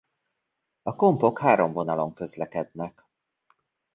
A kompok három vonalon közlekednek.